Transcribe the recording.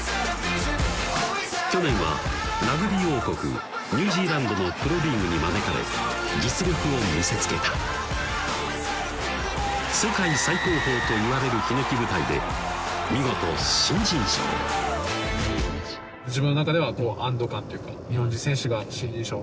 去年はラグビー王国・ニュージーランドのプロリーグに招かれ実力を見せつけた世界最高峰といわれるひのき舞台で見事新人賞お願いします